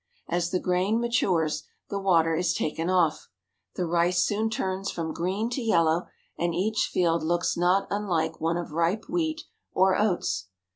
As the grain ma tures, the water is taken off. The rice soon turns from green to yellow, and each field looks not unlike one of ripe wheat or oats.